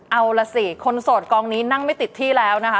เอาล่ะสิคนโสดกองนี้นั่งไม่ติดที่แล้วนะคะ